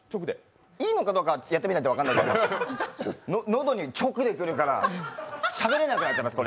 いいのかどうかやってみないと分からないけど喉に直で来るからしゃべれなくなっちゃいます。